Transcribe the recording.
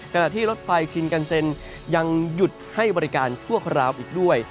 ขณะที่รถไฟชินกันเซ็นยังหยุดให้บริการชั่วคราวอีกด้วย